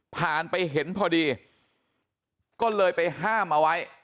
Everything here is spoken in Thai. ผ่านไปเห็นพอดีก็เลยไปห้ามเอาไว้